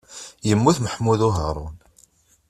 Yemmut Muḥemmud Uharun.